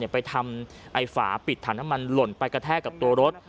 ไปทำฝาปิดถังน้ำมันหล่นไปกระแทกกับตัวรถ